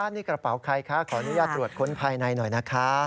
นี่กระเป๋าใครคะขออนุญาตตรวจค้นภายในหน่อยนะคะ